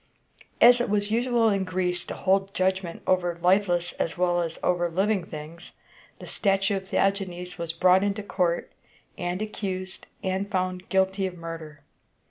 As it was usual in Greece to hold judgment over lifeless as well as over living things, the statue of Theagenes was brought into court, and accused and found guilty of murder.